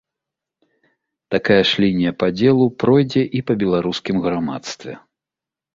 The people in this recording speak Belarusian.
Такая ж лінія падзелу пройдзе і па беларускім грамадстве.